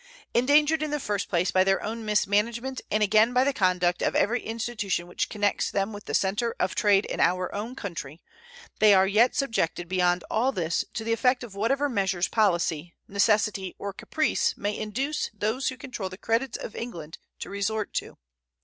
Endangered in the first place by their own mismanagement and again by the conduct of every institution which connects them with the center of trade in our own country, they are yet subjected beyond all this to the effect of whatever measures policy, necessity, or caprice may induce those who control the credits of England to resort to.